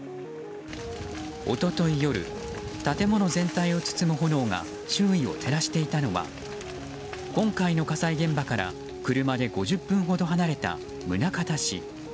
一昨日夜、建物全体を包む炎が周囲を照らしていたのは今回の火災現場から車で５０分ほど離れた宗像市。